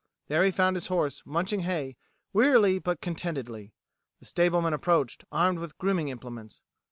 There he found his horse munching hay, wearily but contentedly. The stableman approached, armed with grooming implements.